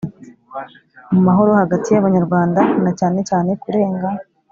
mu mahoro hagati y Abanyarwanda na cyanecyane kurenga